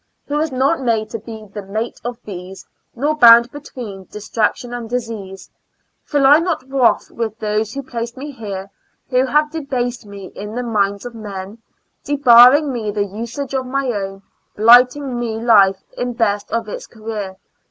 Who was not made to be the mate of these, Nor bound between distraction and disease. Feel I not wroth with those who placed me here ? Who have debased me in the minds of men, Debarring me the usage of my own, Blighting my life in best of its career.